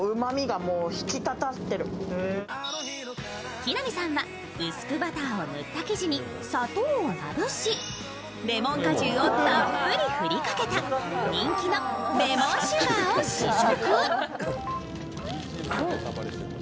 木南さんは、薄くバターを塗った生地に砂糖をまぶしレモン果汁をたっぷり振りかけた人気のレモンシュガーを試食。